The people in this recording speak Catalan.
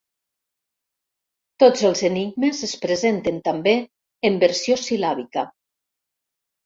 Tots els enigmes es presenten també en versió sil·làbica.